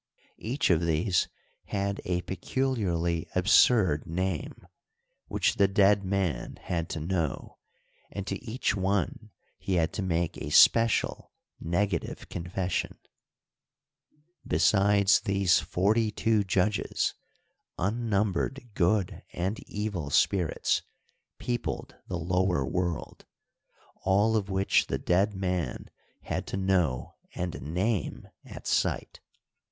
Each of these had a peculiarly absurd name, which the dead man had to know and to each one he had to make a special negative confession. Besides these forty two judges, unnumbered good and evil spirits peopled the Lower World, all of which the dead man had to know and name at sight.